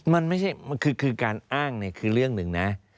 มันไม่ใช่คือการอ้างเนี่ยคือเรื่องหนึ่งนะ